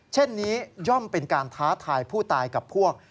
เช่นนี้ย่อมเป็นการท้าทายผู้ตายกับพวก